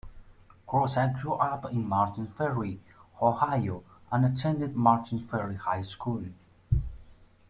Groza grew up in Martins Ferry, Ohio and attended Martins Ferry High School.